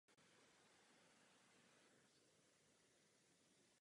Následně se na nějakou dobu vrátil do Kladna k mládeži.